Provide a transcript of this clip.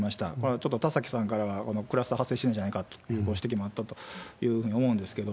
ちょっと田崎さんからは、クラスター発生してるんじゃないかというご指摘もあったというふうに思うんですけど。